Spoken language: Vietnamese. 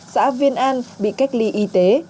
xã viên an bị cách ly y tế